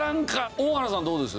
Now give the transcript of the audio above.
大原さんどうです？